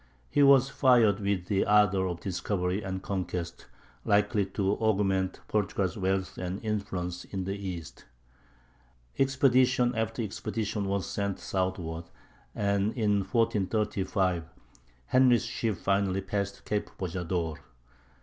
He was fired with the ardor of discovery and conquest likely to augment Portugal's wealth and influence in the East. Expedition after expedition was sent southward, and in 1435 Henry's ships finally passed Cape Bojador.